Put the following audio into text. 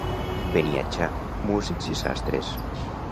Beniatjar, músics i sastres.